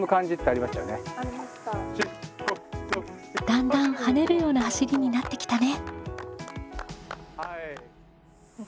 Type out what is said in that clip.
だんだん跳ねるような走りになってきたね。